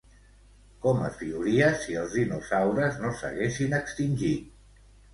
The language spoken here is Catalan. Com es viuria si els dinosaures no s’haguessin extingit?